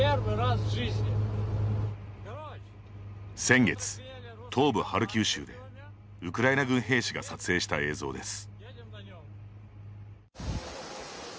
先月、東部ハルキウ州でウクライナ軍兵士が撮影した映像です。